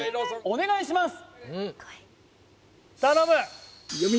お願いします